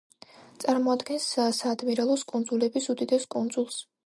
წარმოადგენს საადმირალოს კუნძულების უდიდეს კუნძულს.